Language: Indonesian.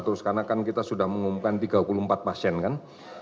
terus karena kan kita sudah mengumumkan tiga puluh empat pasien kan